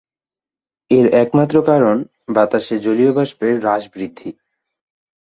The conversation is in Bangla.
এর একমাত্র কারণ বাতাসে জলীয় বাষ্পের হ্রাস-বৃদ্ধি।